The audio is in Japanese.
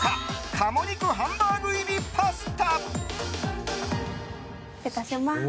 鴨肉ハンバーグ入りパスタ。